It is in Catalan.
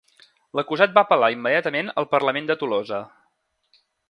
L'acusat va apel·lar immediatament al Parlament de Tolosa.